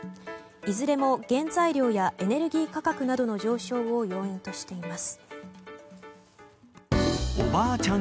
いずれも原材料やエネルギー価格などの上昇を要因としています。